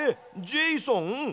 ジェイソン？